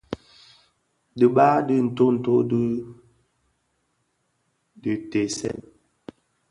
Dhibag di ntööto di dhi diteesèn.